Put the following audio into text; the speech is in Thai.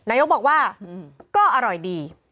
นายกบอกว่าก็อร่อยดี